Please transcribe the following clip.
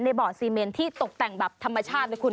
บ่อซีเมนที่ตกแต่งแบบธรรมชาตินะคุณ